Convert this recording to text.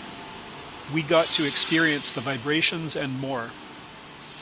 We got to experience the vibrations and more.